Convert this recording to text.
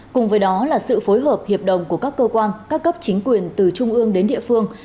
cùng với đó là sự phối hợp hiệp đồng của các cơ quan các cấp chính quyền từ trung ương đến địa phương